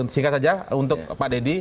singkat saja untuk pak deddy